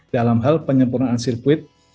dalam hal penyempurnaan sirkuit